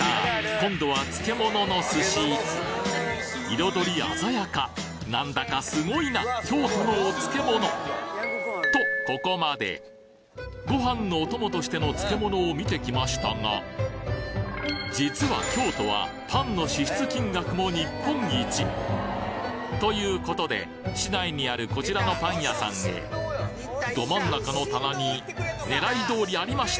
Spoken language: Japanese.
今度は漬物の寿司彩り鮮やか何だかすごいな京都のお漬物とご飯のお供としての漬物を見てきましたが実は京都はパンの支出金額も日本一ということで市内にあるこちらのパン屋さんへど真ん中の棚に狙い通りありました！